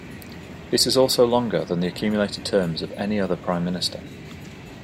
This is also longer than the accumulated terms of any other Prime Minister.